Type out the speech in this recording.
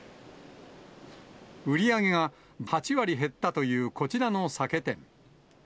売り上げが８割減ったというこちらの酒店。